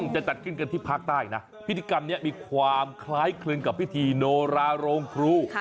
จะจัดขึ้นกันที่ภาคใต้นะพิธีกรรมนี้มีความคล้ายคลึงกับพิธีโนราโรงครู